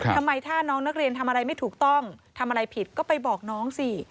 ทำไมถ้าน้องนักเรียนทำอะไรไม่ถูกต้องทำอะไรผิดก็ไปบอกน้องสิ